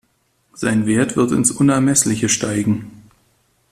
Sein Wert wird ins Unermessliche steigen.